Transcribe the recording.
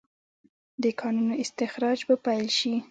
د کانونو استخراج به پیل شي؟